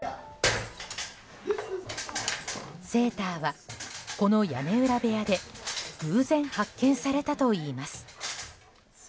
セーターはこの屋根裏部屋で偶然発見されたといいます。